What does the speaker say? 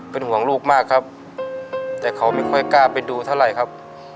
เป็นห่วงลูกมากครับแต่เขาไม่ค่อยกล้าไปดูเท่าไหร่ครับ